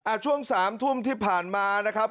ช่วงสามทุ่มที่ผ่านมานะครับ